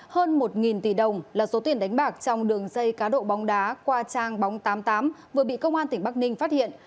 hơn một tỷ đồng là số tiền đánh bạc trong đường dây cá độ bóng đá qua trang bóng tám mươi tám vừa bị công an tỉnh bắc ninh phát hiện